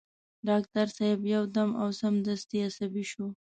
ډاکټر صاحب يو دم او سمدستي عصبي شو.